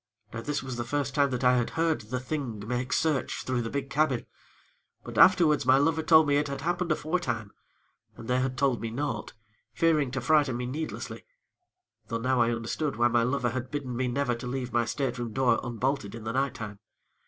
Now, this was the first time that I had heard the Thing make search through the big cabin; but, afterwards, my lover told me it had happened aforetime, and they had told me naught, fearing to frighten me needlessly; though now I understood why my lover had bidden me never to leave my stateroom door unbolted in the nighttime.